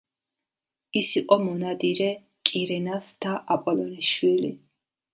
ის იყო მონადირე კირენას და აპოლონის შვილი.